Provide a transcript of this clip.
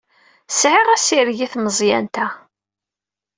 Sɛiɣ assireg i tmeẓyant-a.